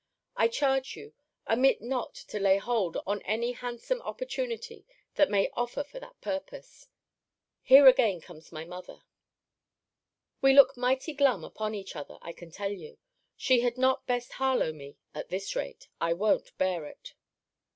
I charge you, omit not to lay hold on any handsome opportunity that may offer for that purpose. Here again comes my mother We look mighty glum upon each other, I can tell you. She had not best Harlowe me at this rate I won't bear it.